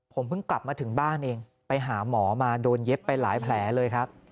ผมเพิ่งกลับมาถึงบ้านเองไปหาหมอมาโดนเย็บไปหลายแผลเลยครับ